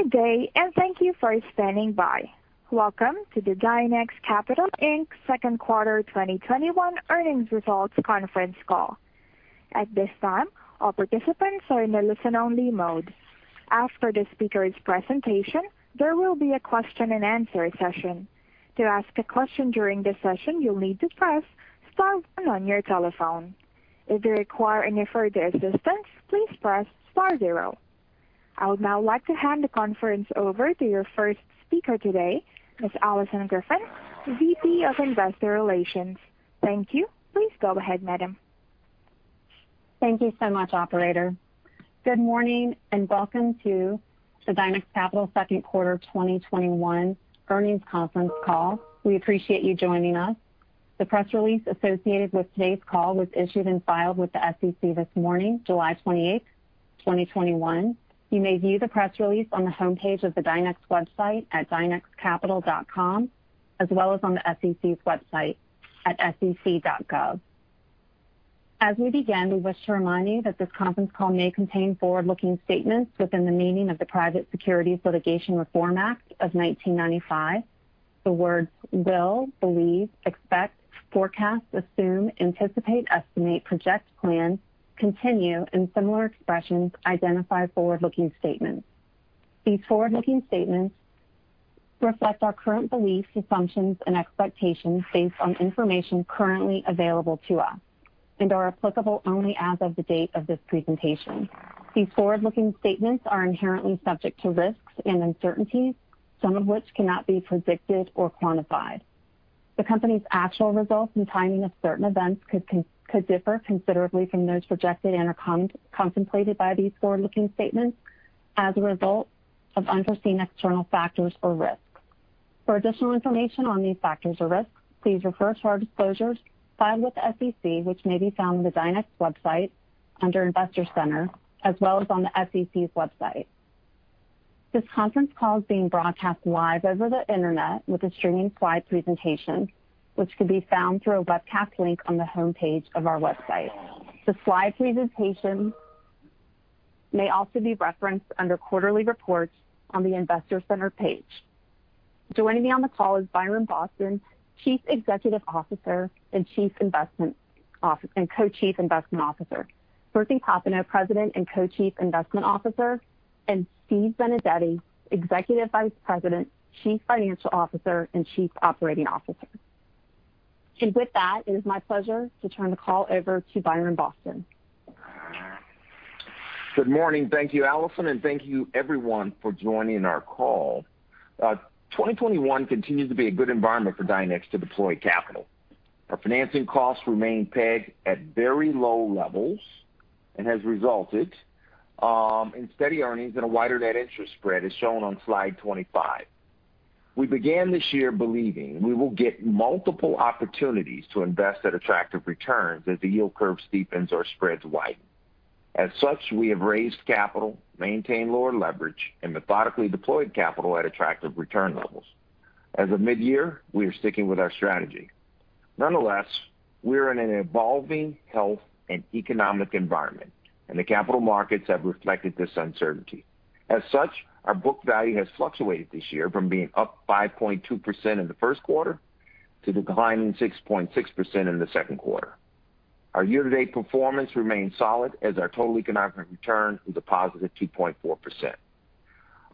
Good day and thank you for standing by. Welcome to the Dynex Capital, Inc second quarter 2021 earnings results conference call. I would now like to hand the conference over to your first speaker today, Ms. Alison Griffin, VP of Investor Relations. Thank you. Please go ahead, madam. Thank you so much, operator. Good morning and welcome to the Dynex Capital Second Quarter 2021 Earnings Conference Call. We appreciate you joining us. The press release associated with today's call was issued and filed with the SEC this morning, July 28th, 2021. You may view the press release on the homepage of the Dynex website at dynexcapital.com, as well as on the SEC's website at sec.gov. As we begin, we wish to remind you that this conference call may contain forward-looking statements within the meaning of the Private Securities Litigation Reform Act of 1995. The words will, believe, expect, forecast, assume, anticipate, estimate, project, plan, continue, and similar expressions identify forward-looking statements. These forward-looking statements reflect our current beliefs, assumptions and expectations based on information currently available to us and are applicable only as of the date of this presentation. These forward-looking statements are inherently subject to risks and uncertainties, some of which cannot be predicted or quantified. The company's actual results and timing of certain events could differ considerably from those projected and/or contemplated by these forward-looking statements as a result of unforeseen external factors or risks. For additional information on these factors or risks, please refer to our disclosures filed with the SEC, which may be found on the Dynex website under Investor Center, as well as on the SEC's website. This conference call is being broadcast live over the internet with a streaming slide presentation, which can be found through a webcast link on the homepage of our website. The slide presentation may also be referenced under Quarterly Reports on the Investor Center page. Joining me on the call is Byron Boston, Chief Executive Officer and Co-Chief Investment Officer, Smriti Popenoe, President and Co-Chief Investment Officer, and Steve Benedetti, Executive Vice President, Chief Financial Officer and Chief Operating Officer. With that, it is my pleasure to turn the call over to Byron Boston. Good morning. Thank you, Alison, and thank you everyone for joining our call. 2021 continues to be a good environment for Dynex to deploy capital. Our financing costs remain pegged at very low levels and has resulted in steady earnings and a wider net interest spread, as shown on slide 25. We began this year believing we will get multiple opportunities to invest at attractive returns as the yield curve steepens or spreads widen. We have raised capital, maintained lower leverage, and methodically deployed capital at attractive return levels. As of mid-year, we are sticking with our strategy. Nonetheless, we are in an evolving health and economic environment, and the capital markets have reflected this uncertainty. Our book value has fluctuated this year from being up 5.2% in the first quarter to declining 6.6% in the second quarter. Our year-to-date performance remains solid as our total economic return is a positive 2.4%.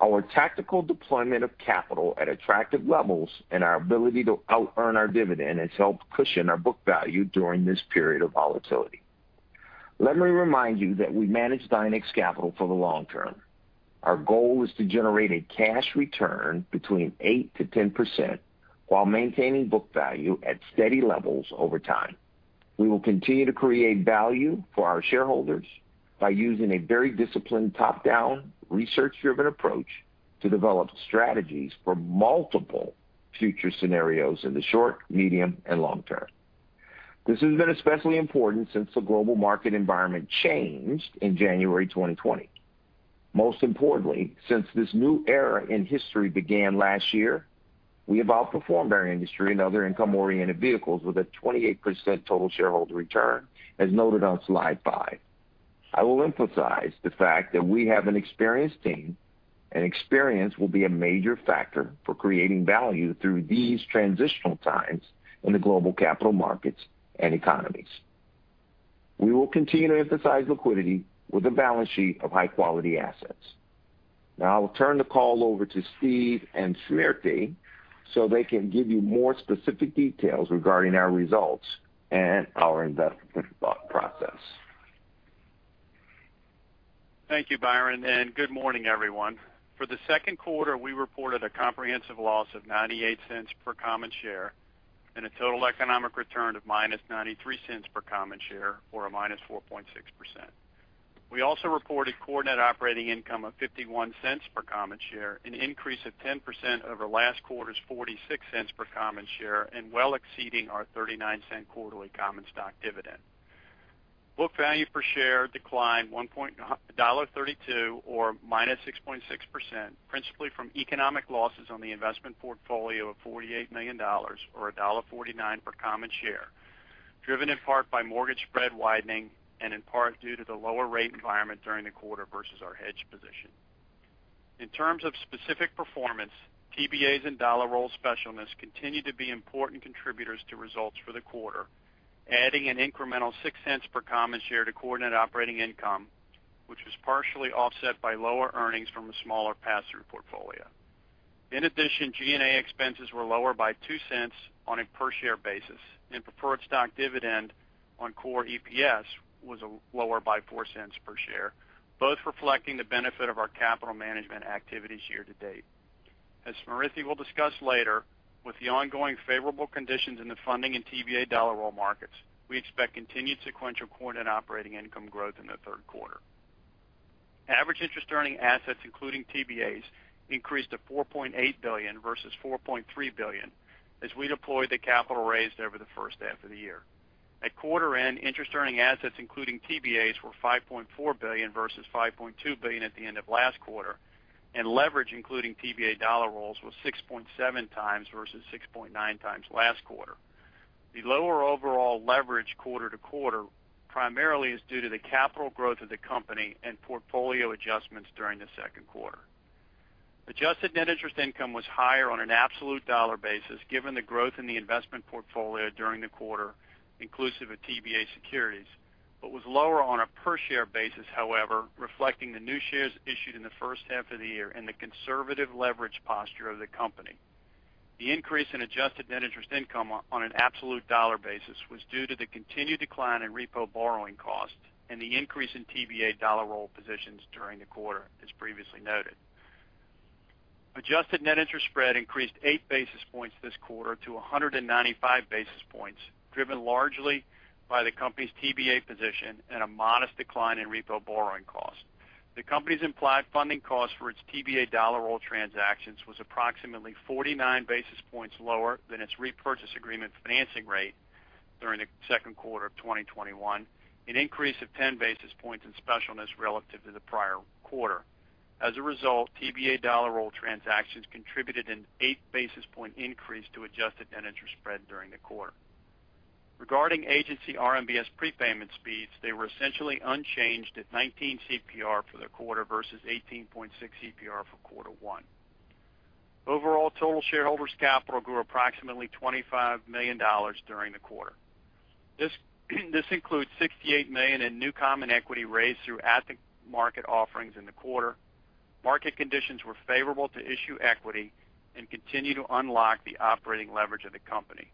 Our tactical deployment of capital at attractive levels and our ability to out earn our dividend has helped cushion our book value during this period of volatility. Let me remind you that we manage Dynex Capital for the long term. Our goal is to generate a cash return between 8%-10% while maintaining book value at steady levels over time. We will continue to create value for our shareholders by using a very disciplined, top-down, research-driven approach to develop strategies for multiple future scenarios in the short, medium, and long term. This has been especially important since the global market environment changed in January 2020. Most importantly, since this new era in history began last year, we have outperformed our industry and other income-oriented vehicles with a 28% total shareholder return, as noted on slide five. I will emphasize the fact that we have an experienced team. Experience will be a major factor for creating value through these transitional times in the global capital markets and economies. We will continue to emphasize liquidity with a balance sheet of high-quality assets. I will turn the call over to Steve and Smriti so they can give you more specific details regarding our results and our investment thought process. Thank you, Byron, and good morning, everyone. For the second quarter, we reported a comprehensive loss of $0.98 per common share and a total economic return of -$0.93 per common share or a -4.6%. We also reported core net operating income of $0.51 per common share, an increase of 10% over last quarter's $0.46 per common share and well exceeding our $0.39 quarterly common stock dividend. Book value per share declined $1.32 or -6.6%, principally from economic losses on the investment portfolio of $48 million or $1.49 per common share. Driven in part by mortgage spread widening and in part due to the lower rate environment during the quarter versus our hedge position. In terms of specific performance, TBAs and dollar roll specialness continue to be important contributors to results for the quarter, adding an incremental $0.06 per common share to core net operating income, which was partially offset by lower earnings from a smaller pass-through portfolio. In addition, G&A expenses were lower by $0.02 on a per-share basis, preferred stock dividend on core EPS was lower by $0.04 per share, both reflecting the benefit of our capital management activities year to date. As Smriti will discuss later, with the ongoing favorable conditions in the funding and TBA dollar roll markets, we expect continued sequential core net operating income growth in the third quarter. Average interest earning assets, including TBAs, increased to $4.8 billion versus $4.3 billion as we deployed the capital raised over the first half of the year. At quarter end, interest earning assets including TBAs were $5.4 billion versus $5.2 billion at the end of last quarter, and leverage including TBA dollar rolls was 6.7x versus 6.9x last quarter. The lower overall leverage quarter-to-quarter primarily is due to the capital growth of the company and portfolio adjustments during the second quarter. Adjusted net interest income was higher on an absolute dollar basis given the growth in the investment portfolio during the quarter inclusive of TBA securities, but was lower on a per-share basis, however, reflecting the new shares issued in the first half of the year and the conservative leverage posture of the company. The increase in adjusted net interest income on an absolute dollar basis was due to the continued decline in repo borrowing costs and the increase in TBA dollar roll positions during the quarter, as previously noted. Adjusted net interest spread increased 8 basis points this quarter to 195 basis points, driven largely by the company's TBA position and a modest decline in repo borrowing costs. The company's implied funding cost for its TBA dollar roll transactions was approximately 49 basis points lower than its repurchase agreement financing rate during the second quarter of 2021, an increase of 10 basis points in specialness relative to the prior quarter. As a result, TBA dollar roll transactions contributed an 8 basis point increase to adjusted net interest spread during the quarter. Regarding agency RMBS prepayment speeds, they were essentially unchanged at 19% CPR for the quarter versus 18.6% CPR for quarter one. Overall, total shareholders' capital grew approximately $25 million during the quarter. This includes $68 million in new common equity raised through at-the-market offerings in the quarter. Market conditions were favorable to issue equity and continue to unlock the operating leverage of the company.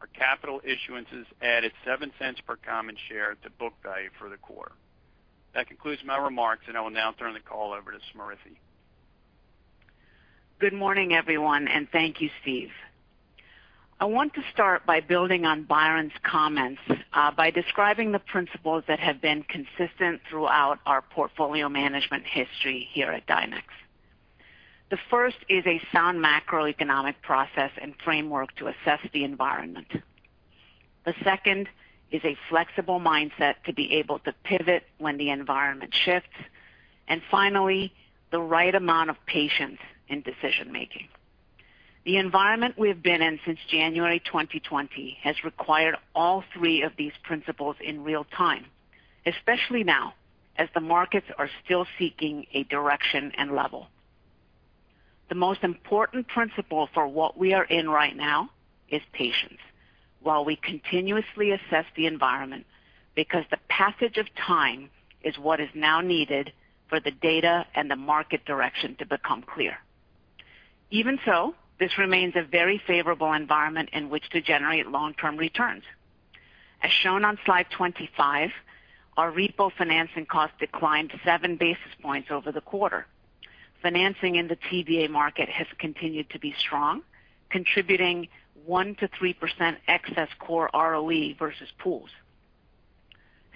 Our capital issuances added $0.07 per common share to book value for the quarter. That concludes my remarks, and I will now turn the call over to Smriti. Good morning, everyone, and thank you, Steve. I want to start by building on Byron's comments by describing the principles that have been consistent throughout our portfolio management history here at Dynex. The first is a sound macroeconomic process and framework to assess the environment. The second is a flexible mindset to be able to pivot when the environment shifts. And finally, the right amount of patience in decision-making. The environment we've been in since January 2020 has required all three of these principles in real time, especially now, as the markets are still seeking a direction and level. The most important principle for what we are in right now is patience while we continuously assess the environment because the passage of time is what is now needed for the data and the market direction to become clear. Even so, this remains a very favorable environment in which to generate long-term returns. As shown on slide 25, our repo financing cost declined 7 basis points over the quarter. Financing in the TBA market has continued to be strong, contributing 1%-3% excess core ROE versus pools.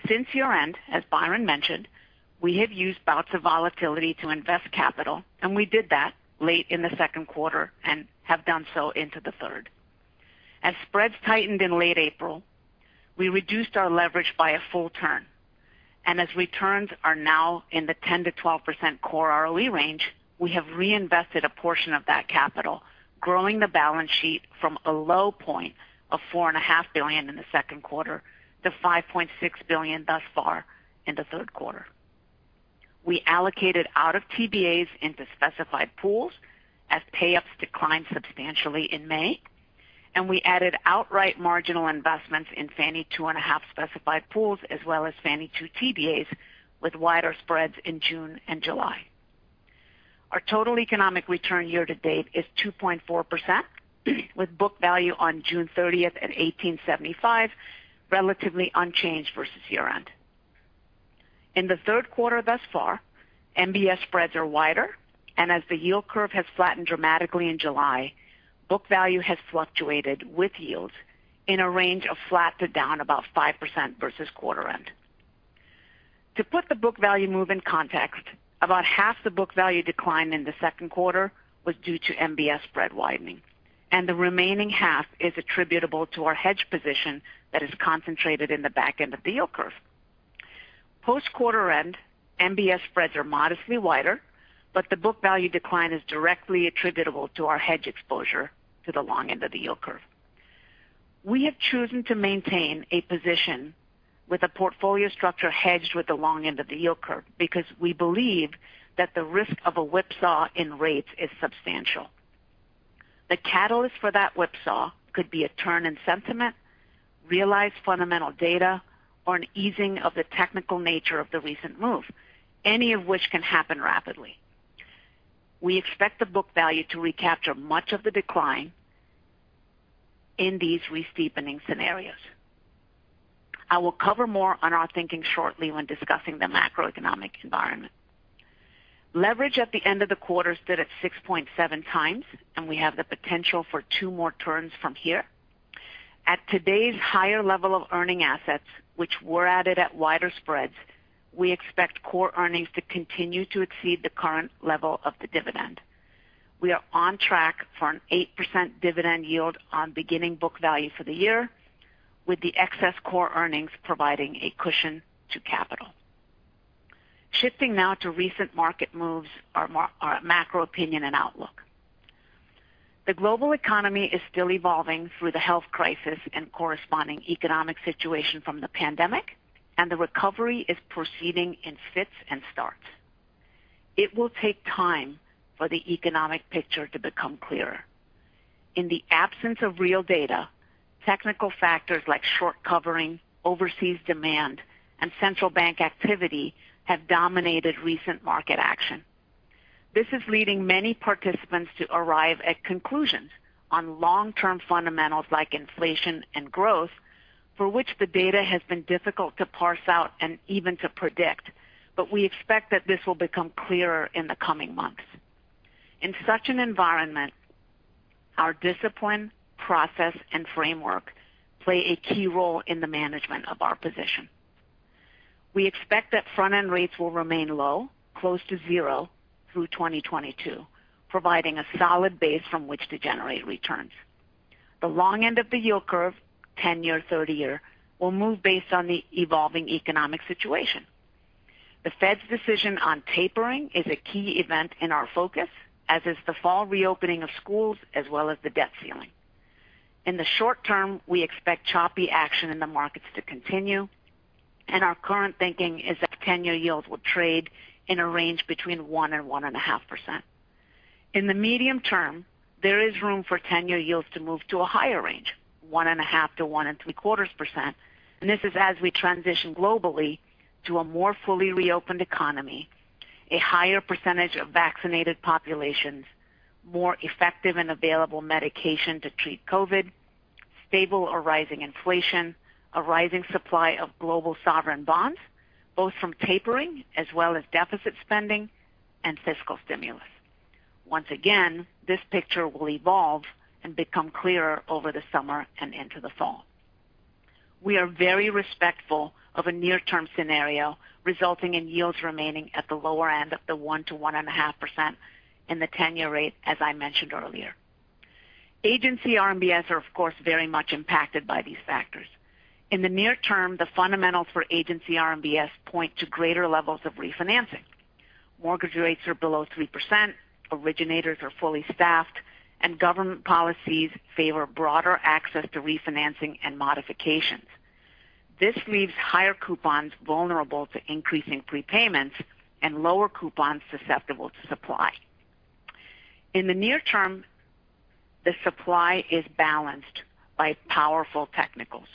Since year-end, as Byron mentioned, we have used bouts of volatility to invest capital, and we did that late in the second quarter and have done so into the third. As spreads tightened in late April, we reduced our leverage by a full turn, and as returns are now in the 10%-12% core ROE range, we have reinvested a portion of that capital, growing the balance sheet from a low point of $4.5 billion in the second quarter to $5.6 billion thus far in the third quarter. We allocated out of TBAs into specified pools as pay-ups declined substantially in May, and we added outright marginal investments in Fannie 2.5 specified pools as well as Fannie 2 TBAs with wider spreads in June and July. Our total economic return year to date is 2.4%, with book value on June 30th at $18.75, relatively unchanged versus year end. In the third quarter thus far, MBS spreads are wider, and as the yield curve has flattened dramatically in July, book value has fluctuated with yield in a range of flat to down about 5% versus quarter end. To put the book value move in context, about half the book value decline in the second quarter was due to MBS spread widening, and the remaining half is attributable to our hedge position that is concentrated in the back end of the yield curve. Post quarter end, MBS spreads are modestly wider, but the book value decline is directly attributable to our hedge exposure to the long end of the yield curve. We have chosen to maintain a position with a portfolio structure hedged with the long end of the yield curve because we believe that the risk of a whipsaw in rates is substantial. The catalyst for that whipsaw could be a turn in sentiment, realized fundamental data, or an easing of the technical nature of the recent move, any of which can happen rapidly. We expect the book value to recapture much of the decline in these re-steepening scenarios. I will cover more on our thinking shortly when discussing the macroeconomic environment. Leverage at the end of the quarter stood at 6.7x. We have the potential for two more turns from here. At today's higher level of earning assets, which were added at wider spreads, we expect core earnings to continue to exceed the current level of the dividend. We are on track for an 8% dividend yield on beginning book value for the year, with the excess core earnings providing a cushion to capital. Shifting now to recent market moves, our macro opinion and outlook. The global economy is still evolving through the health crisis and corresponding economic situation from the pandemic. The recovery is proceeding in fits and starts. It will take time for the economic picture to become clearer. In the absence of real data, technical factors like short covering, overseas demand, and central bank activity have dominated recent market action. This is leading many participants to arrive at conclusions on long-term fundamentals like inflation and growth, for which the data has been difficult to parse out and even to predict. We expect that this will become clearer in the coming months. In such an environment, our discipline, process, and framework play a key role in the management of our position. We expect that front-end rates will remain low, close to zero through 2022, providing a solid base from which to generate returns. The long end of the yield curve, 10-year, 30-year, will move based on the evolving economic situation. The Fed's decision on tapering is a key event in our focus, as is the fall reopening of schools as well as the debt ceiling. In the short term, we expect choppy action in the markets to continue. Our current thinking is that 10-year yields will trade in a range between 1% and 1.5%. In the medium term, there is room for 10-year yields to move to a higher range, 1.5%-1.75%, and this is as we transition globally to a more fully reopened economy, a higher percentage of vaccinated populations, more effective and available medication to treat COVID, stable or rising inflation, a rising supply of global sovereign bonds, both from tapering as well as deficit spending and fiscal stimulus. Once again, this picture will evolve and become clearer over the summer and into the fall. We are very respectful of a near-term scenario resulting in yields remaining at the lower end of the 1%-1.5% in the 10-year rate, as I mentioned earlier. Agency RMBS are, of course, very much impacted by these factors. In the near term, the fundamentals for agency RMBS point to greater levels of refinancing. Mortgage rates are below 3%, originators are fully staffed, and government policies favor broader access to refinancing and modifications. This leaves higher coupons vulnerable to increasing prepayments and lower coupons susceptible to supply. In the near term, the supply is balanced by powerful technicals.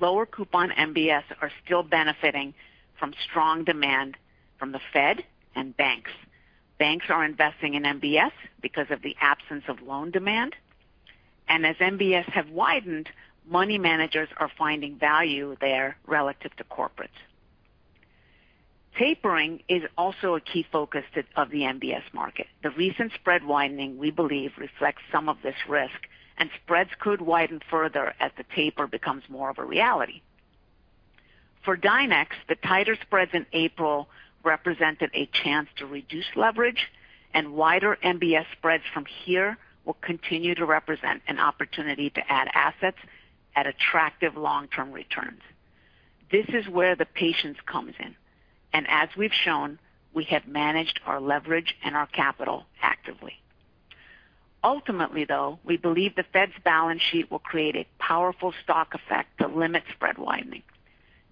Lower coupon MBS are still benefiting from strong demand from the Fed and banks. Banks are investing in MBS because of the absence of loan demand. As MBS have widened, money managers are finding value there relative to corporates. Tapering is also a key focus of the MBS market. The recent spread widening, we believe, reflects some of this risk, and spreads could widen further as the taper becomes more of a reality. For Dynex, the tighter spreads in April represented a chance to reduce leverage, and wider MBS spreads from here will continue to represent an opportunity to add assets at attractive long-term returns. This is where the patience comes in, and as we've shown, we have managed our leverage and our capital actively. Ultimately, though, we believe the Fed's balance sheet will create a powerful stock effect that limits spread widening.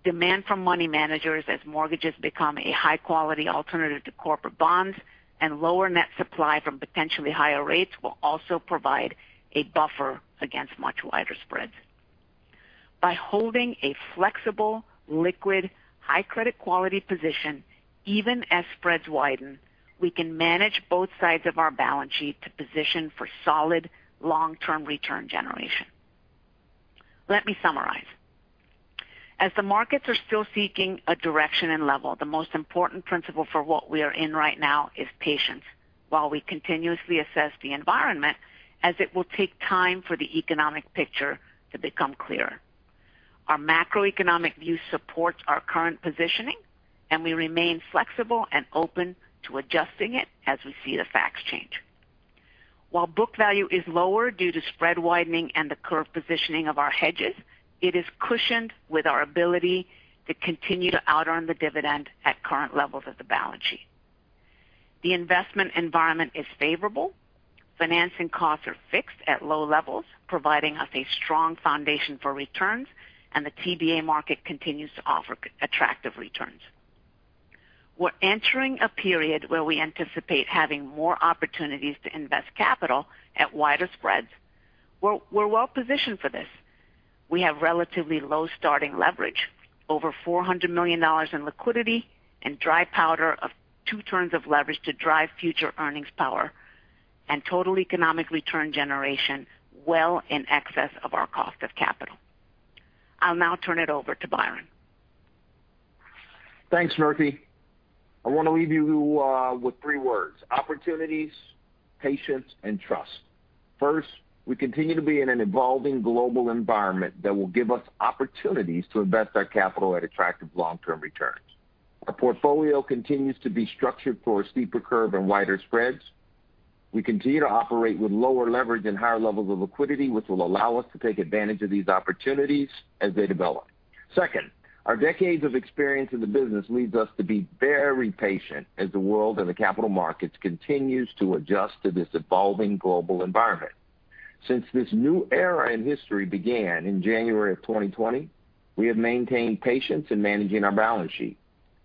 Demand from money managers as mortgages become a high-quality alternative to corporate bonds and lower net supply from potentially higher rates will also provide a buffer against much wider spreads. By holding a flexible, liquid, high credit quality position, even as spreads widen, we can manage both sides of our balance sheet to position for solid long-term return generation. Let me summarize. As the markets are still seeking a direction and level, the most important principle for what we are in right now is patience while we continuously assess the environment as it will take time for the economic picture to become clearer. Our macroeconomic view supports our current positioning, and we remain flexible and open to adjusting it as we see the facts change. While book value is lower due to spread widening and the curve positioning of our hedges, it is cushioned with our ability to continue to out earn the dividend at current levels of the balance sheet. The investment environment is favorable. Financing costs are fixed at low levels, providing us a strong foundation for returns, and the TBA market continues to offer attractive returns. We're entering a period where we anticipate having more opportunities to invest capital at wider spreads. We're well positioned for this. We have relatively low starting leverage. Over $400 million in liquidity and dry powder of 2 turns of leverage to drive future earnings power, and total economic return generation well in excess of our cost of capital. I'll now turn it over to Byron. Thanks, Smriti. I want to leave you with three words: opportunities, patience, and trust. First, we continue to be in an evolving global environment that will give us opportunities to invest our capital at attractive long-term returns. Our portfolio continues to be structured for a steeper curve and wider spreads. We continue to operate with lower leverage and higher levels of liquidity, which will allow us to take advantage of these opportunities as they develop. Second, our decades of experience in the business leads us to be very patient as the world and the capital markets continues to adjust to this evolving global environment. Since this new era in history began in January of 2020, we have maintained patience in managing our balance sheet,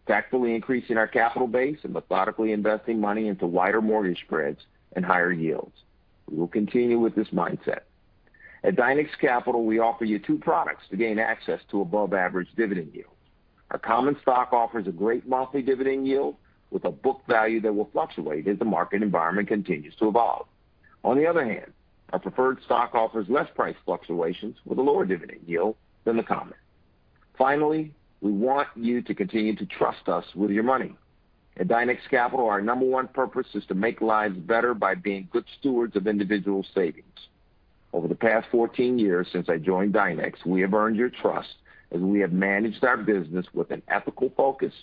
tactfully increasing our capital base and methodically investing money into wider mortgage spreads and higher yields. We will continue with this mindset. At Dynex Capital, we offer you two products to gain access to above average dividend yield. Our common stock offers a great monthly dividend yield with a book value that will fluctuate as the market environment continues to evolve. Our preferred stock offers less price fluctuations with a lower dividend yield than the common. We want you to continue to trust us with your money. At Dynex Capital, our number one purpose is to make lives better by being good stewards of individual savings. Over the past 14 years since I joined Dynex, we have earned your trust as we have managed our business with an ethical focus,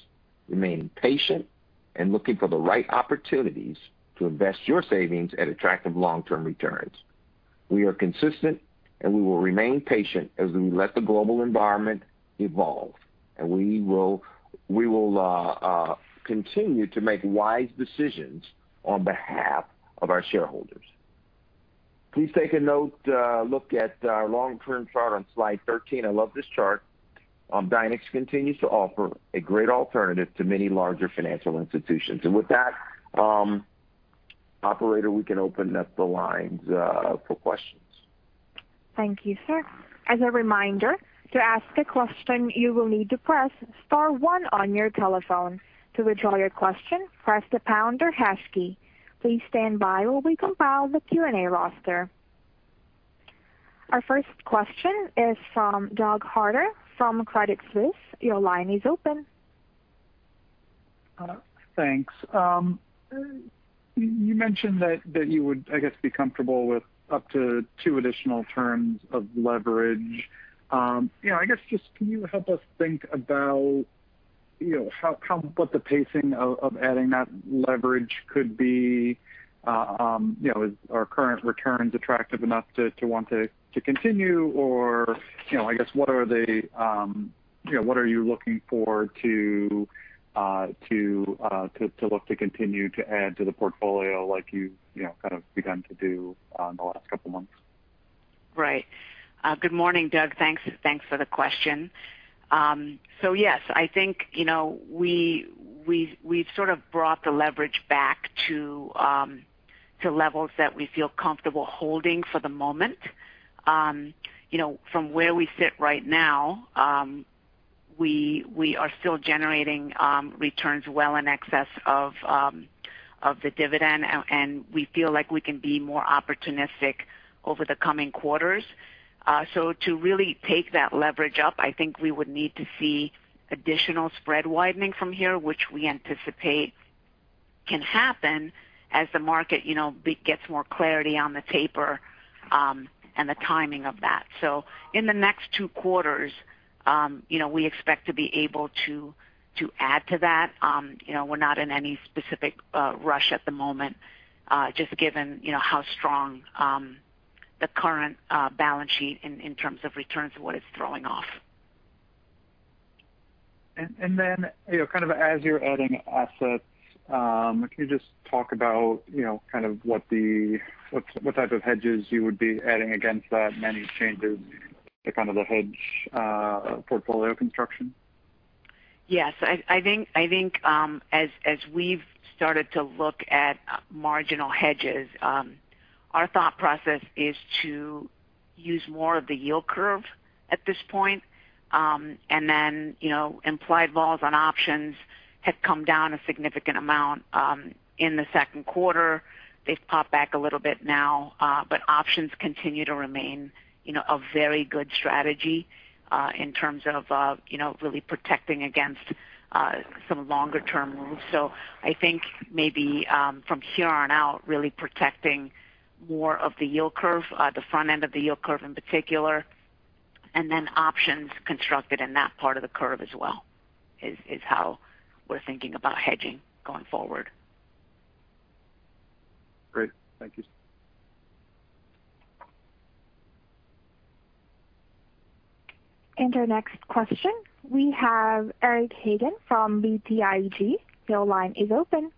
remaining patient and looking for the right opportunities to invest your savings at attractive long-term returns. We are consistent, and we will remain patient as we let the global environment evolve. We will continue to make wise decisions on behalf of our shareholders. Please take a look at our long-term chart on slide 13. I love this chart. Dynex continues to offer a great alternative to many larger financial institutions. With that, operator, we can open up the lines for questions. Thank you, sir. As a reminder, to ask a question, you will need to press star one on your telephone. To withdraw your question, press the pound or hash key. Please stand by while we compile the Q&A roster. Our first question is from Doug Harter from Credit Suisse. Your line is open. Thanks. You mentioned that you would, I guess, be comfortable with up to two additional turns of leverage. I guess just can you help us think about what the pacing of adding that leverage could be? Is our current returns attractive enough to want to continue? I guess what are you looking for to look to continue to add to the portfolio like you've kind of begun to do in the last couple of months? Right. Good morning, Doug. Thanks for the question. Yes, I think we've sort of brought the leverage back to levels that we feel comfortable holding for the moment. From where we sit right now, we are still generating returns well in excess of the dividend, and we feel like we can be more opportunistic over the coming quarters. To really take that leverage up, I think we would need to see additional spread widening from here, which we anticipate can happen as the market gets more clarity on the taper and the timing of that. In the next two quarters we expect to be able to add to that. We're not in any specific rush at the moment, just given how strong the current balance sheet in terms of returns and what it's throwing off. Kind of as you're adding assets, can you just talk about kind of what type of hedges you would be adding against that and any changes to kind of the hedge portfolio construction? Yes. I think as we've started to look at marginal hedges, our thought process is to use more of the yield curve at this point, and then implied vols on options have come down a significant amount in the second quarter. They've popped back a little bit now, but options continue to remain a very good strategy in terms of really protecting against some longer-term moves. I think maybe from here on out, really protecting more of the yield curve, the front end of the yield curve in particular. Options constructed in that part of the curve as well is how we're thinking about hedging going forward. Great. Thank you. Our next question, we have Eric Hagen from BTIG. Your line is open.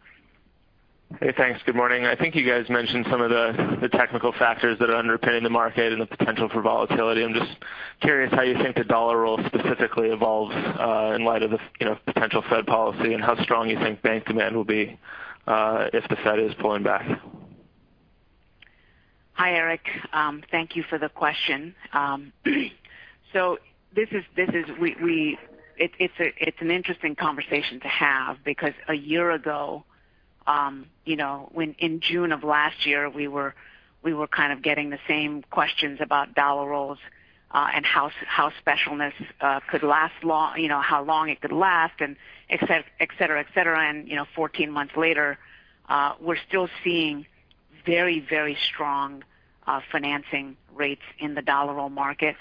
Hey, thanks. Good morning. I think you guys mentioned some of the technical factors that are underpinning the market and the potential for volatility. I'm just curious how you think the dollar roll specifically evolves in light of the potential Fed policy, and how strong you think bank demand will be if the Fed is pulling back. Hi, Eric. Thank you for the question. It's an interesting conversation to have because a year ago, when in June of last year we were kind of getting the same questions about dollar rolls, and how specialness could last long, how long it could last and et cetera. 14 months later, we're still seeing very strong financing rates in the dollar roll market.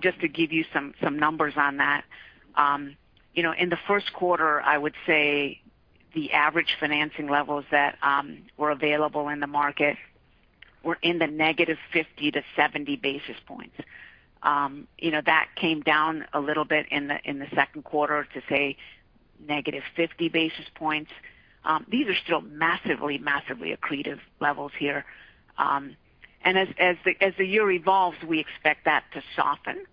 Just to give you some numbers on that, in the first quarter, I would say the average financing levels that were available in the market were in the -50 to -70 basis points. That came down a little bit in the second quarter to, say, -50 basis points. These are still massively accretive levels here. As the year evolves, we expect that to soften.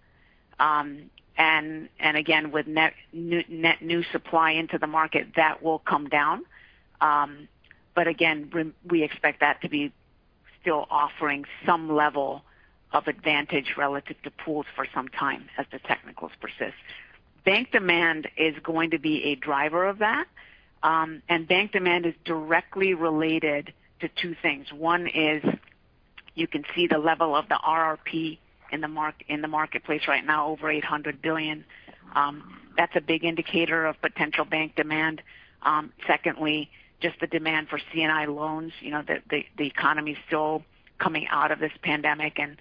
Again, with net new supply into the market, that will come down. Again, we expect that to be still offering some level of advantage relative to pools for some time as the technicals persist. Bank demand is going to be a driver of that. Bank demand is directly related to two things. One is, you can see the level of the RRP in the marketplace right now, over $800 billion. That's a big indicator of potential bank demand. Secondly, just the demand for C&I loans, the economy still coming out of this pandemic, and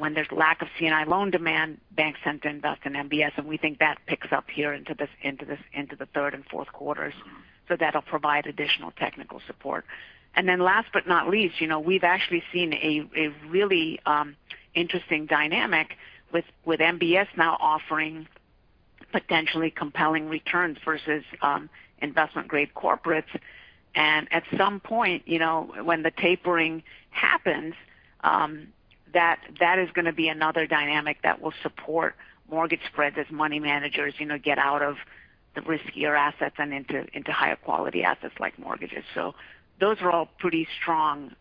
when there's lack of C&I loan demand, banks tend to invest in MBS, and we think that picks up here into the third and fourth quarters. That'll provide additional technical support. Then last but not least, we've actually seen a really interesting dynamic with MBS now offering potentially compelling returns versus investment-grade corporates. At some point, when the tapering happens, that is going to be another dynamic that will support mortgage spreads as money managers get out of the riskier assets and into higher quality assets like mortgages. Those are all pretty strong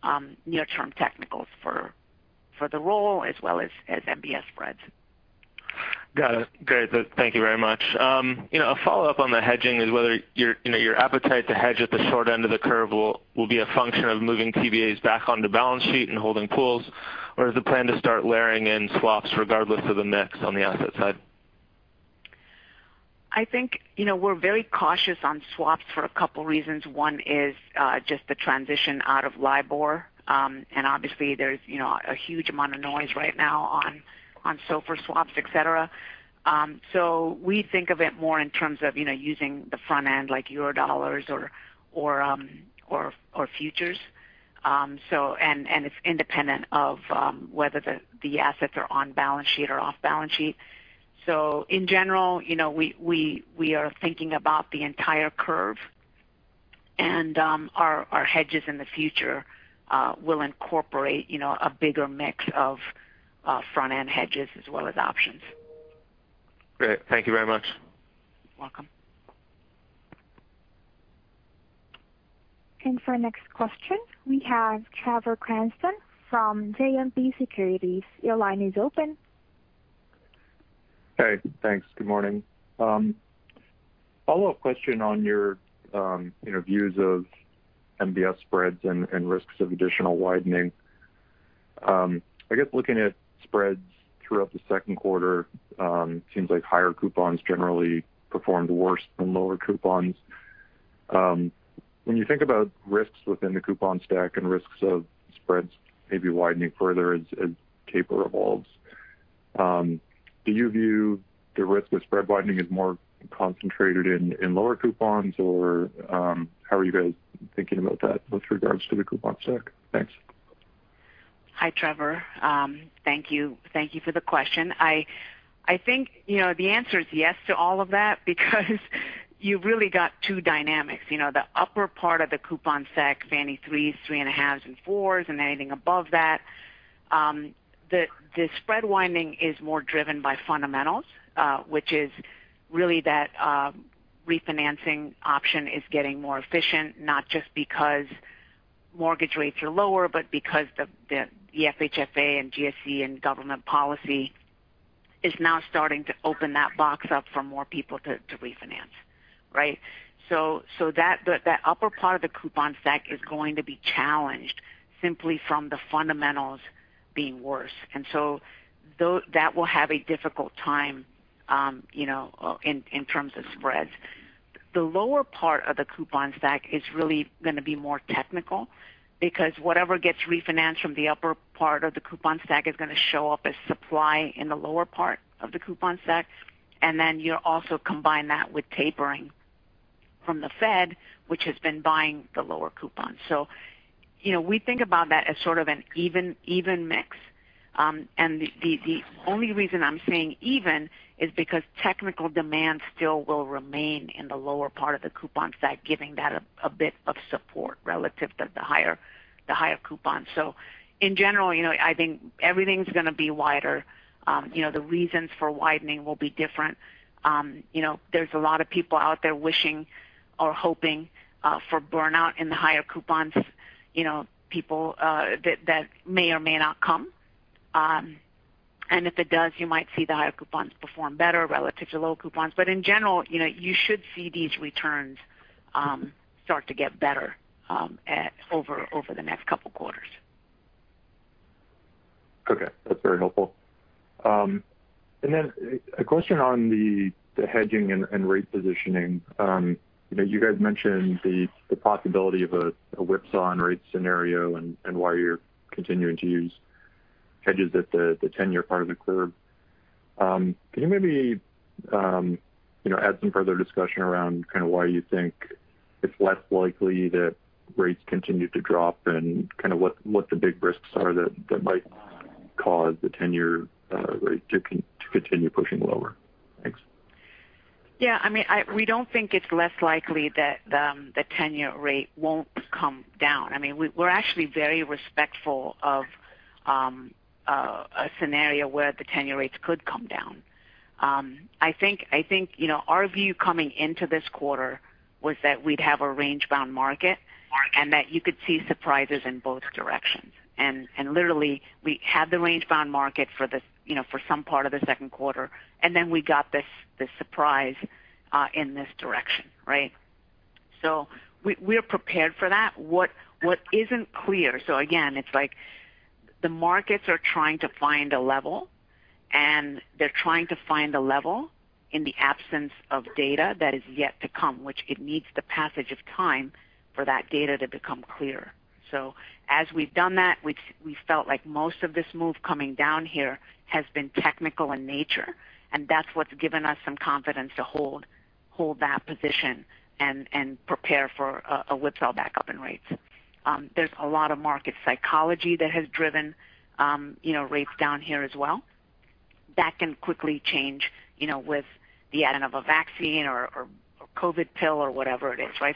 near-term technicals for the roll as well as MBS spreads. Got it. Great. Thank you very much. A follow-up on the hedging is whether your appetite to hedge at the short end of the curve will be a function of moving TBAs back on the balance sheet and holding pools, or is the plan to start layering in swaps regardless of the mix on the asset side? I think we're very cautious on swaps for a couple of reasons. One is just the transition out of LIBOR. Obviously, there's a huge amount of noise right now on SOFR swaps, et cetera. We think of it more in terms of using the front end, like Eurodollars or futures. It's independent of whether the assets are on balance sheet or off balance sheet. In general, we are thinking about the entire curve, and our hedges in the future will incorporate a bigger mix of front-end hedges as well as options. Great. Thank you very much. Welcome. For our next question, we have Trevor Cranston from JMP Securities. Your line is open. Hey, thanks. Good morning. Follow-up question on your views of MBS spreads and risks of additional widening. I guess looking at spreads throughout the second quarter, seems like higher coupons generally performed worse than lower coupons. When you think about risks within the coupon stack and risks of spreads maybe widening further as taper evolves, do you view the risk with spread widening as more concentrated in lower coupons, or how are you guys thinking about that with regards to the coupon stack? Thanks. Hi, Trevor. Thank you for the question. I think the answer is yes to all of that because you've really got two dynamics. The upper part of the coupon stack, Fannie 3s, 3.5s, and 4s, and anything above that. The spread widening is more driven by fundamentals which is really that refinancing option is getting more efficient, not just because mortgage rates are lower, but because the FHFA and GSE and government policy is now starting to open that box up for more people to refinance. Right? That upper part of the coupon stack is going to be challenged simply from the fundamentals being worse. That will have a difficult time in terms of spreads. The lower part of the coupon stack is really going to be more technical because whatever gets refinanced from the upper part of the coupon stack is going to show up as supply in the lower part of the coupon stack. Then you also combine that with tapering from the Fed, which has been buying the lower coupon. We think about that as sort of an even mix. The only reason I'm saying even is because technical demand still will remain in the lower part of the coupon stack, giving that a bit of support relative to the higher coupon. In general, I think everything's going to be wider. The reasons for widening will be different. There's a lot of people out there wishing or hoping for burnout in the higher coupons that may or may not come. If it does, you might see the higher coupons perform better relative to lower coupons. In general, you should see these returns start to get better over the next couple quarters. Okay, that's very helpful. A question on the hedging and rate positioning. You guys mentioned the possibility of a whipsaw on rate scenario and why you're continuing to use hedges at the 10-year part of the curve. Can you maybe add some further discussion around why you think it's less likely that rates continue to drop and what the big risks are that might cause the 10-year rate to continue pushing lower? Thanks. Yeah, we don't think it's less likely that the 10-year rate won't come down. We're actually very respectful of a scenario where the 10-year rates could come down. I think our view coming into this quarter was that we'd have a range-bound market and that you could see surprises in both directions. Literally, we had the range-bound market for some part of the second quarter, and then we got this surprise in this direction. Right? We're prepared for that. What isn't clear, again, it's like the markets are trying to find a level, and they're trying to find a level in the absence of data that is yet to come, which it needs the passage of time for that data to become clear. As we've done that, we felt like most of this move coming down here has been technical in nature, and that's what's given us some confidence to hold that position and prepare for a whipsaw back up in rates. There's a lot of market psychology that has driven rates down here as well. That can quickly change with the adding of a vaccine or COVID pill or whatever it is, right?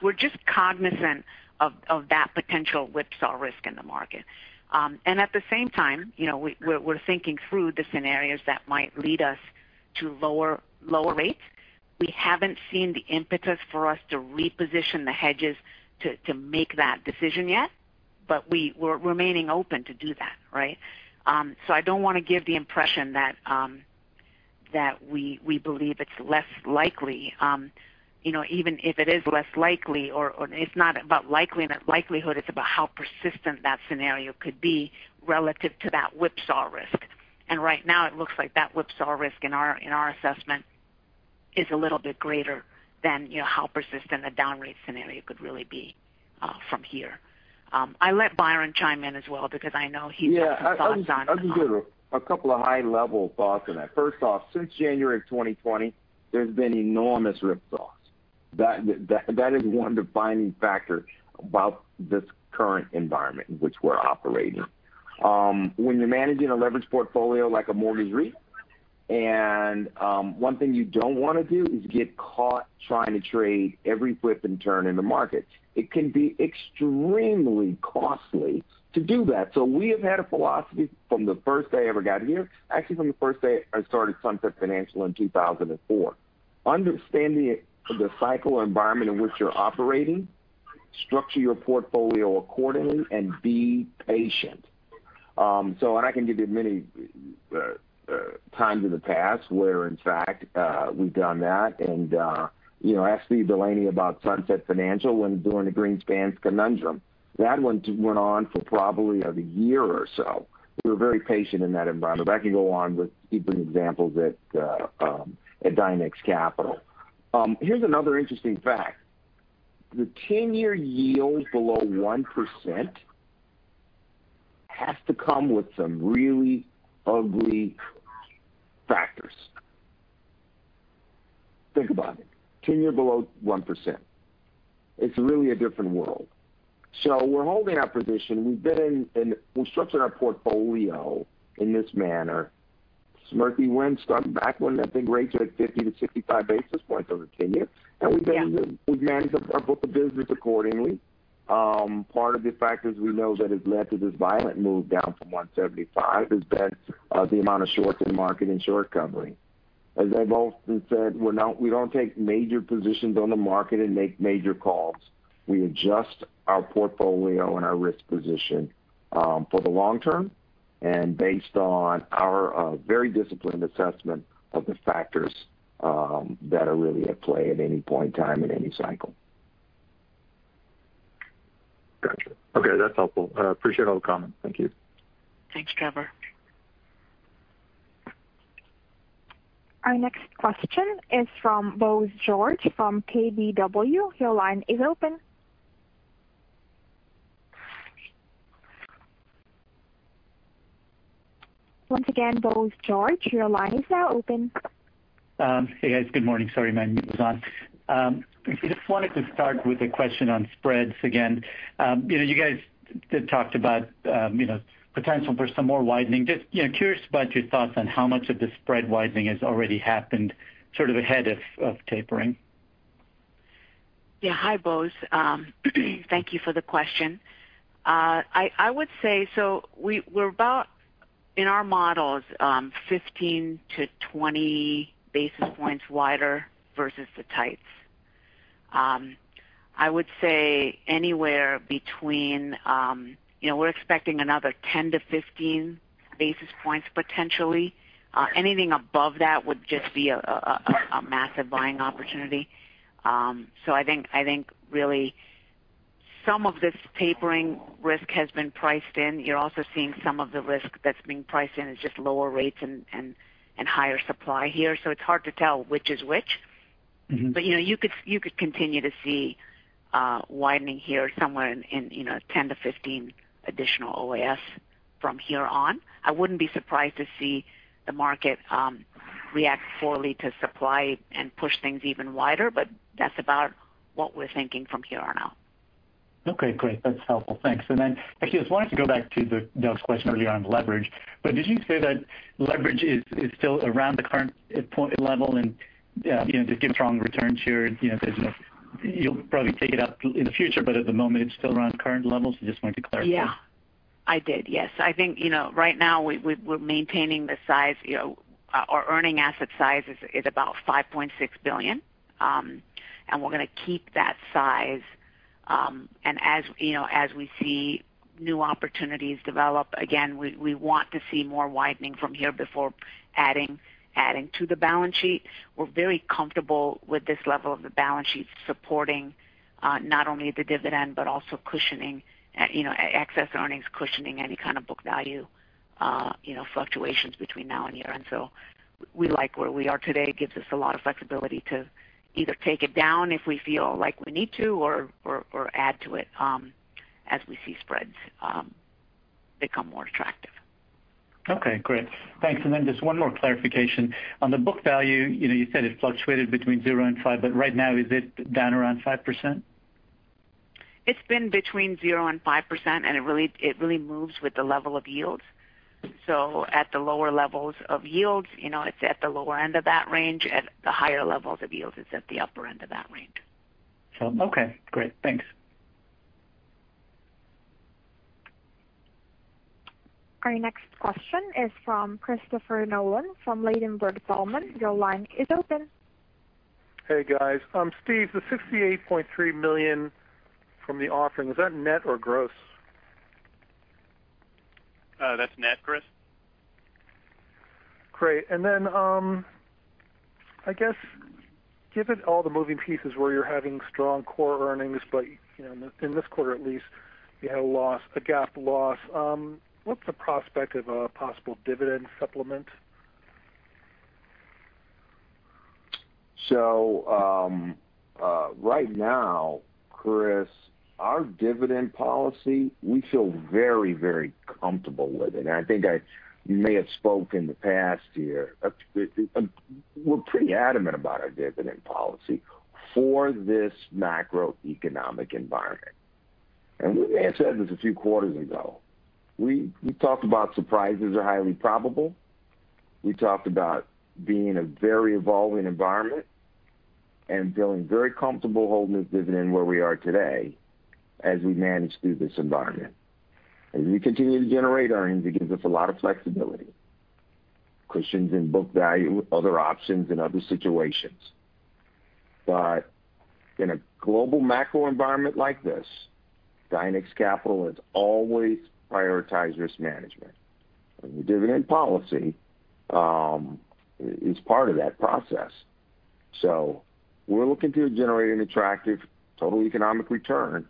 We're just cognizant of that potential whipsaw risk in the market. At the same time we're thinking through the scenarios that might lead us to lower rates. We haven't seen the impetus for us to reposition the hedges to make that decision yet. We're remaining open to do that, right? I don't want to give the impression that we believe it's less likely. Even if it is less likely or it's not about likelihood, it's about how persistent that scenario could be relative to that whipsaw risk. Right now, it looks like that whipsaw risk in our assessment is a little bit greater than how persistent a down rate scenario could really be from here. I'll let Byron chime in as well, because I know he's got some thoughts on. Yeah, a couple of high level thoughts. First off, since January of 2020, there's been enormous whipsaws. That is one defining factor about this current environment in which we're operating. When you're managing a leverage portfolio like a mortgage REIT, and one thing you don't want to do is get caught trying to trade every whip and turn in the market. It can be extremely costly to do that. We have had a philosophy from the first day I ever got here, actually from the first day I started Sunset Financial in 2004. Understanding the cycle or environment in which you're operating, structure your portfolio accordingly, and be patient. I can give you many times in the past where, in fact, we've done that. Ask Steve Delaney about Sunset Financial when doing the Greenspan's conundrum. That one went on for probably a year or so. We were very patient in that environment. I can go on with even examples at Dynex Capital. Here's another interesting fact. The 10-year yield below 1% has to come with some really ugly factors. Think about it, 10-year below 1%. It's really a different world. We're holding our position. We're structuring our portfolio in this manner. Smriti Popenoe started back when I think rates were at 50 to 65 basis points over 10-year. We've managed our book of business accordingly. Part of the factors we know that has led to this violent move down from 175 has been the amount of shorts in the market and short covering. As I've often said, we don't take major positions on the market and make major calls. We adjust our portfolio and our risk position for the long term and based on our very disciplined assessment of the factors that are really at play at any point in time in any cycle. Okay, that's helpful. I appreciate all the comments. Thank you. Thanks, Trevor. Our next question is from Bose George from KBW. Your line is open. Once again, Bose George, your line is now open. Hey, guys. Good morning. Sorry, my mute was on. I just wanted to start with a question on spreads again. You guys did talk about potential for some more widening. Just curious about your thoughts on how much of the spread widening has already happened sort of ahead of tapering. Hi, Bose. Thank you for the question. I would say, we're about, in our models, 15-20 basis points wider versus the tights. I would say we're expecting another 10-15 basis points, potentially. Anything above that would just be a massive buying opportunity. I think really some of this tapering risk has been priced in. You're also seeing some of the risk that's being priced in is just lower rates and higher supply here. It's hard to tell which is which. You could continue to see widening here somewhere in 10-15 additional OAS from here on. I wouldn't be surprised to see the market react poorly to supply and push things even wider. That's about what we're thinking from here on out. Okay, great. That's helpful. Thanks. I just wanted to go back to the Doug's question earlier on leverage. Did you say that leverage is still around the current point level and just given strong returns here, you'll probably take it up in the future, but at the moment it's still around current levels? I just wanted to clarify. Yeah. I did. Yes. I think right now we're maintaining the size. Our earning asset size is about $5.6 billion. We're going to keep that size. As we see new opportunities develop, again, we want to see more widening from here before adding to the balance sheet. We're very comfortable with this level of the balance sheet supporting not only the dividend, but also excess earnings cushioning any kind of book value fluctuations between now and year-end. We like where we are today. It gives us a lot of flexibility to either take it down if we feel like we need to or add to it as we see spreads become more attractive. Okay, great. Thanks. Just one more clarification. On the book value, you said it fluctuated between 0% and 5%, right now is it down around 5%? It's been between 0% and 5%. It really moves with the level of yields. At the lower levels of yields, it's at the lower end of that range. At the higher levels of yields, it's at the upper end of that range. Okay, great. Thanks. Our next question is from Christopher Nolan from Ladenburg Thalmann. Your line is open. Hey, guys. Steve, the $68.3 million from the offering, is that net or gross? That's net, Chris. Great. I guess given all the moving pieces where you're having strong core earnings, but in this quarter at least, you had a GAAP loss. What's the prospect of a possible dividend supplement? Right now, Chris, our dividend policy, we feel very, very comfortable with it. I think I may have spoke in the past year. We're pretty adamant about our dividend policy for this macroeconomic environment. We answered this a few quarters ago. We talked about surprises are highly probable. We talked about being a very evolving environment and feeling very comfortable holding this dividend where we are today as we manage through this environment. As we continue to generate earnings, it gives us a lot of flexibility, cushions in book value, other options and other situations. In a global macro environment like this, Dynex Capital has always prioritized risk management, and the dividend policy is part of that process. We're looking to generate an attractive total economic return,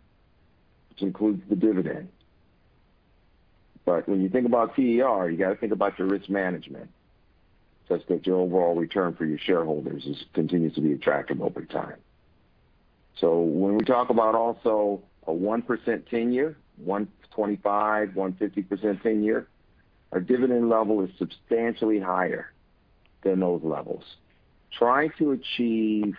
which includes the dividend. When you think about TER, you got to think about your risk management such that your overall return for your shareholders continues to be attractive over time. When we talk about also a 1% 10-year, 125%-150% 10-year, our dividend level is substantially higher than those levels. Trying to achieve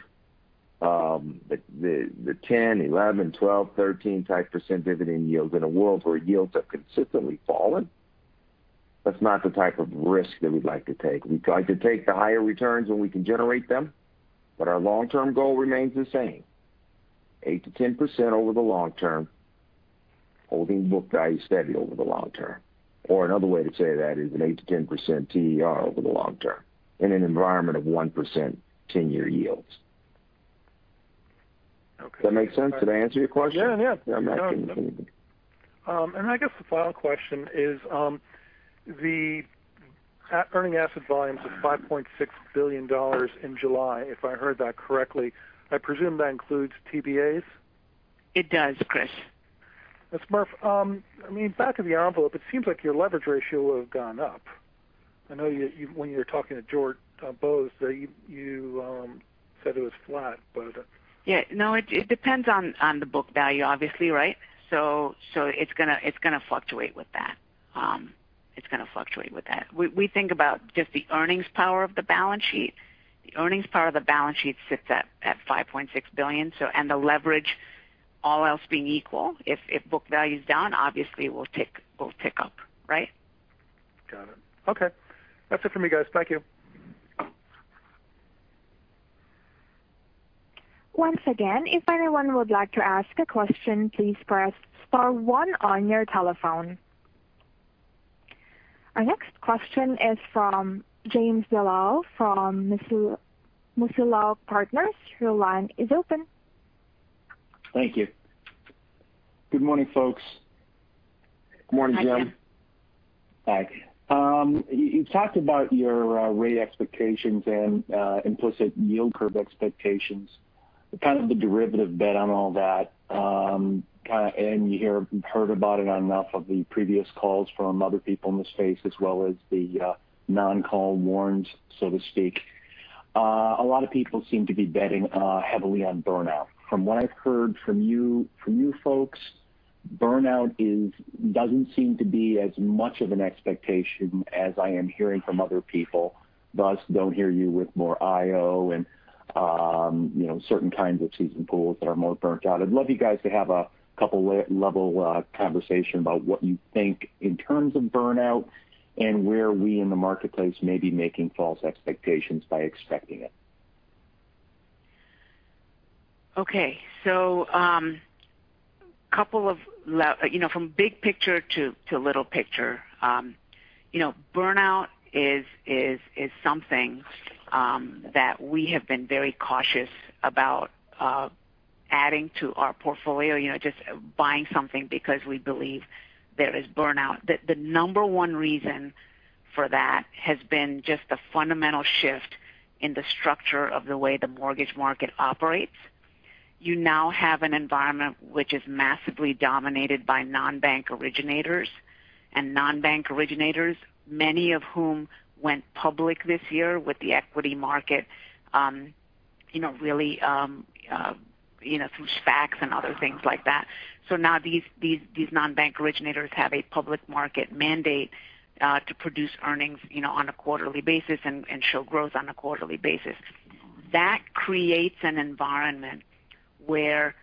the 10%, 11%, 12%, 13% type dividend yields in a world where yields have consistently fallen, that's not the type of risk that we'd like to take. We'd like to take the higher returns when we can generate them, but our long-term goal remains the same, 8%-10% over the long term, holding book value steady over the long term. Another way to say that is an 8%-10% TER over the long term in an environment of 1% 10-year yields. Okay. Does that make sense? Did I answer your question? Yeah. Am I missing anything? I guess the final question is, the earning asset volumes of $5.6 billion in July, if I heard that correctly. I presume that includes TBAs? It does, Chris. Smriti, back of the envelope, it seems like your leverage ratio would've gone up. I know when you were talking to Bose George, you said it was flat, but. No, it depends on the book value, obviously, right? It's going to fluctuate with that. We think about just the earnings power of the balance sheet. The earnings power of the balance sheet sits at $5.6 billion. The leverage, all else being equal, if book value's down, obviously it will tick up. Right? Got it. Okay. That's it for me, guys. Thank you. Once again, if anyone would like to ask a question, please press star one on your telephone. Our next question is from James Dellal from Musillal Partners. Your line is open. Thank you. Good morning, folks. Morning, Jim. Hi. You talked about your rate expectations and implicit yield curve expectations, kind of the derivative bet on all that. You heard about it on enough of the previous calls from other people in the space as well as the non-call ones, so to speak. A lot of people seem to be betting heavily on burnout. From what I've heard from you folks, burnout doesn't seem to be as much of an expectation as I am hearing from other people. Don't hear you with more IO and certain kinds of seasoned pools that are more burnt out. I'd love you guys to have a couple level conversation about what you think in terms of burnout and where we in the marketplace may be making false expectations by expecting it. Okay. From big picture to little picture. Burnout is something that we have been very cautious about adding to our portfolio, just buying something because we believe there is burnout. The number 1 reason for that has been just the fundamental shift in the structure of the way the mortgage market operates. You now have an environment which is massively dominated by non-bank originators and non-bank originators, many of whom went public this year with the equity market through SPACs and other things like that. Now these non-bank originators have a public market mandate to produce earnings on a quarterly basis and show growth on a quarterly basis. That creates an environment where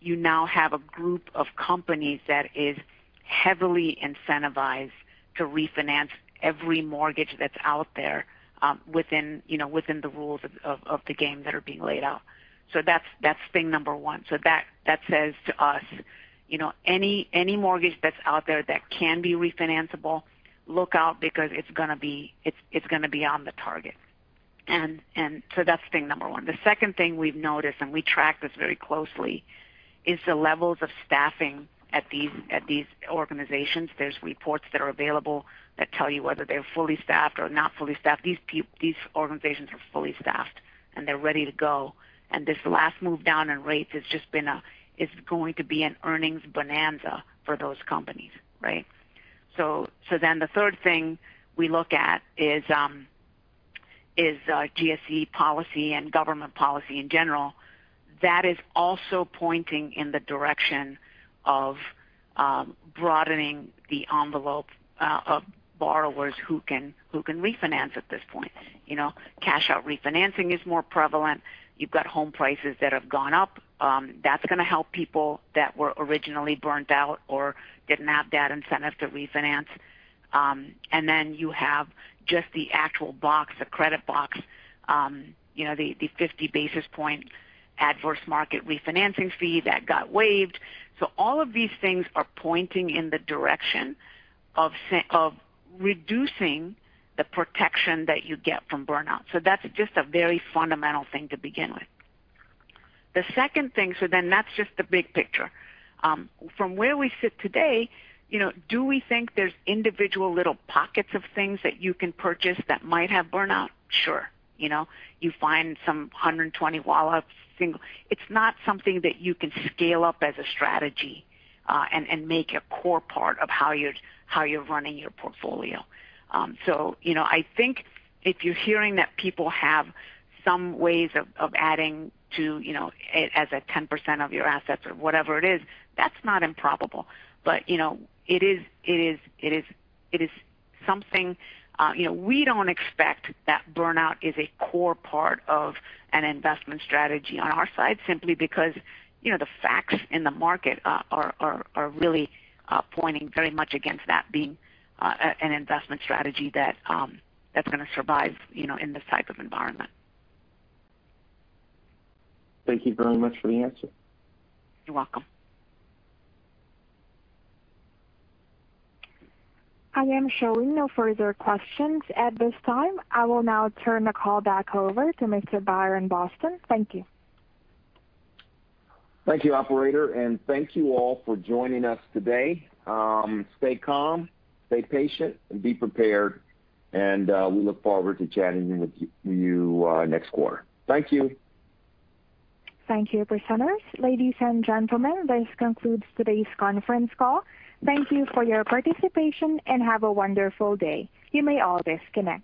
you now have a group of companies that is heavily incentivized to refinance every mortgage that's out there within the rules of the game that are being laid out. That's thing number one. That says to us, any mortgage that's out there that can be refinanceable, look out because it's going to be on the target. That's thing number one. The second thing we've noticed, and we track this very closely, is the levels of staffing at these organizations. There's reports that are available that tell you whether they're fully staffed or not fully staffed. These organizations are fully staffed and they're ready to go. This last move down in rates is going to be an earnings bonanza for those companies. Right? The third thing we look at is GSE policy and government policy in general. That is also pointing in the direction of broadening the envelope of borrowers who can refinance at this point. Cash out refinancing is more prevalent. You've got home prices that have gone up. That's going to help people that were originally burnt out or didn't have that incentive to refinance. You have just the actual box, the credit box, the 50 basis point adverse market refinancing fee that got waived. All of these things are pointing in the direction of reducing the protection that you get from burnout. That's just a very fundamental thing to begin with. The second thing. That's just the big picture. From where we sit today, do we think there's individual little pockets of things that you can purchase that might have burnout? Sure. You find some 120 WALA single. It's not something that you can scale up as a strategy and make a core part of how you're running your portfolio. I think if you're hearing that people have some ways of adding to it as a 10% of your assets or whatever it is, that's not improbable. It is something we don't expect that burnout is a core part of an investment strategy on our side simply because the facts in the market are really pointing very much against that being an investment strategy that's going to survive in this type of environment. Thank you very much for the answer. You're welcome. I am showing no further questions at this time. I will now turn the call back over to Mr. Byron Boston. Thank you. Thank you, operator, and thank you all for joining us today. Stay calm, stay patient, and be prepared, and we look forward to chatting with you next quarter. Thank you. Thank you, presenters. Ladies and gentlemen, this concludes today's conference call. Thank you for your participation, and have a wonderful day. You may all disconnect.